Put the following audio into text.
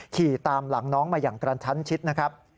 ขี่ตามหลังน้องมาอย่างกระชั้นชิดนะครับ